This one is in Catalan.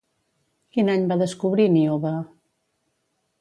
Quin any va descobrir Níobe?